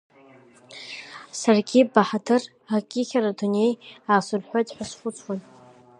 Саргьы Баҳадыр ак ихьыр адунеи аасырҳәуеит ҳәа схәыцуан.